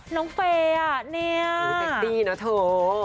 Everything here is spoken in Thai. น้องเฟย์อ่ะเนี่ยดูแตกดีนะเถอะ